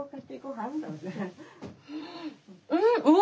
うん！